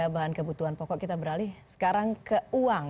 bahan kebutuhan pokok kita beralih sekarang ke uang